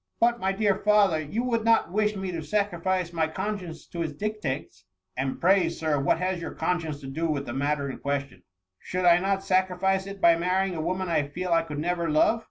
''" But, my dear father ! you would not wish ni3 to sacrifice my conscience to its dictates." " And pray. Sir, what has your conscience to do with the matter in question ?"" Should I not sacrifice it by marrying a wo man I feel I could never love